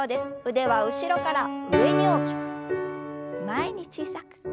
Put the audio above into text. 腕は後ろから上に大きく前に小さく。